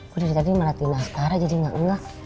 gue dari tadi malah latihan sekarang jadi gak enggak